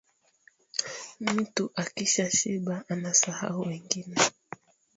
Mutu akisha shiba anasahau wengine